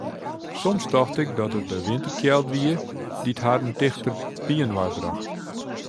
Soms tocht ik dat it de winterkjeld wie dy't harren tichter byinoar brocht.